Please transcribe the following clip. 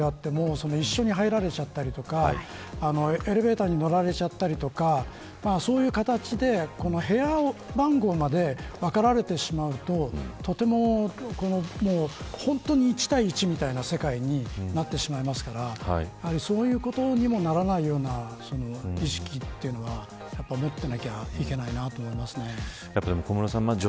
オートロックのマンションであっても、一緒に入られちゃったりエレベーターに乗られちゃったりとかそういう形でこの部屋番号まで分かられてしまうと本当に１対１みたいな世界になってしまいますからそういうことにもならないような意識というのは持っていないといけないと思います。